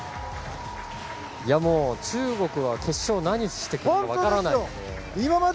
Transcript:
中国は決勝、何してくるか分からないので。